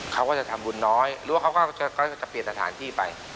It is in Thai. เขาก็จะทำบุญน้อยหรือว่าเขาก็จะเปลี่ยนสถานที่ไป